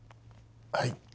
はい。